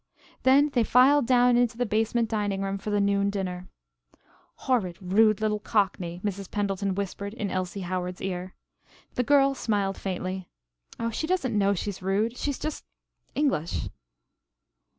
Then they filed down into the basement dining room for the noon dinner. "Horrid, rude little Cockney," Mrs. Pendleton whispered in Elsie Howard's ear. The girl smiled faintly. "Oh, she doesn't know she is rude. She is just English."